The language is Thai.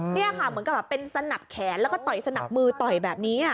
นี่ค่ะเหมือนกับเป็นสนับแขนแล้วก็ต่อยสนับมือต่อยแบบนี้